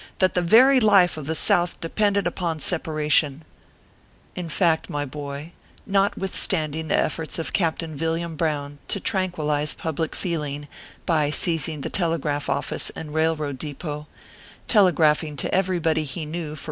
339 that the very life of the South depended upon separ ation/ In fact, my boy, notwithstanding the efforts of Captain Villiam Brown to tranquillize public feeling by seizing the telegraph office and railroad depot, telegraphing to everybody he knew for.